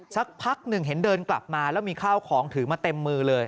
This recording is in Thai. สักพักหนึ่งเห็นเดินกลับมาแล้วมีข้าวของถือมาเต็มมือเลย